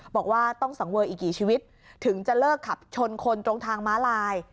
บอกว่าต้องสังเวอร์อีกกี่ชีวิตถึงจะเลิกขับชนคนตรงทางม้าลาย